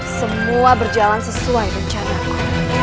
semua berjalan sesuai rencanaku